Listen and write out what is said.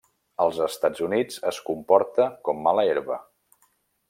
Als Estats Units es comporta com mala herba.